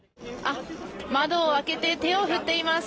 窓を開けて手を振っています。